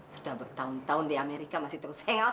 sudah bertahun tahun di amerika masih terus hangout